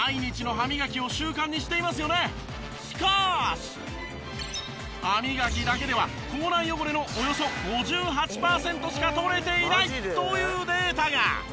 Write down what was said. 歯磨きだけでは口内汚れのおよそ５８パーセントしか取れていないというデータが。